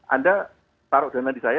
anda taruh dana di saya